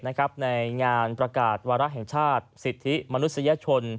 ในงานประกาศวาระแห่งชาติสิทธิมนุษยชน